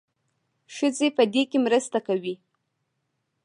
ښځې په دې کې مرسته کوي.